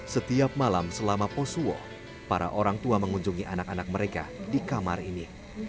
setiap malam selama posuo para orang tua mengunjungi anak anak mereka di kamar ini